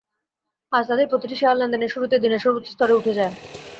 আজ তাদের প্রতিটি শেয়ার লেনদেনের শুরুতেই দিনের সর্বোচ্চ স্তরে উঠে যায়।